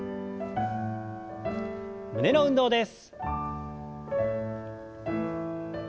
胸の運動です。